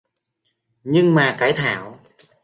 Nhưng mà cái thảo